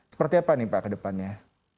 seperti apa nih pak ke depannya